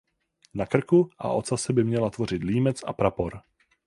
Na krku a ocase by měla tvořit límec a prapor.